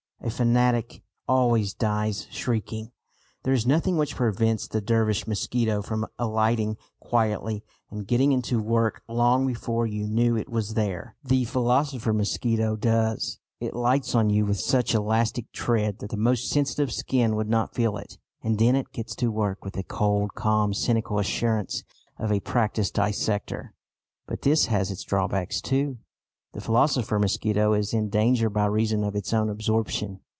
A fanatic always dies shrieking. There is nothing which prevents the Dervish mosquito from alighting quietly and getting to work long before you knew it was there. The philosopher mosquito does. It lights on you with such elastic tread that the most sensitive skin would not feel it; and then it gets to work with the cold, calm, cynical assurance of a practised dissector. But this has its drawbacks too. The philosopher mosquito is in danger by reason of its own absorption.